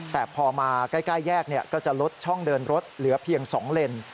แต่พอมาใกล้แยกก็จะลดช่องเดินรถเหลือเพียง๒เลน